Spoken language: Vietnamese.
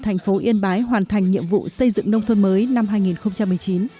thành phố yên bái hoàn thành nhiệm vụ xây dựng nông thôn mới năm hai nghìn một mươi chín